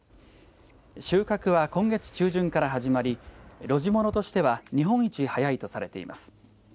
収穫は今月中旬から始まり露地ものとしては日本一早いとされています。